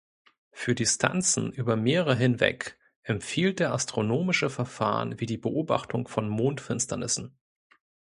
Für Distanzen über Meere hinweg empfiehlt er astronomische Verfahren wie die Beobachtung von Mondfinsternissen.